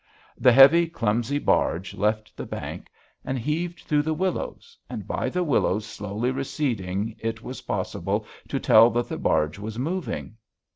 The heavy, clumsy barge left the bank and heaved through the willows, and by the willows slowly receding it was possible to tell that the barge was moving.